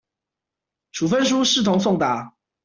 處分書視同送達